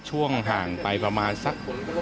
ช่วงห่างไปประมาณสัก